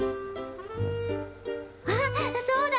あっそうだ！